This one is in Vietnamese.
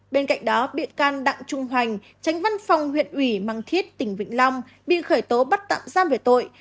bên cạnh đó bị can đặng trung hoành tránh văn phòng huyện ủy mang thiết tỉnh vĩnh long bị khởi tố bắt tạm giam về tội